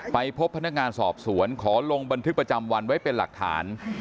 ไปพบพนักงานสอบสวนขอลงบันทึกประจำวันไว้เป็นหลักฐาน